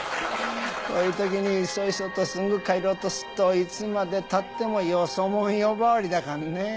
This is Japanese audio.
こういう時にいそいそとすぐ帰ろうとすっといつまで経ってもよそ者呼ばわりだかんね。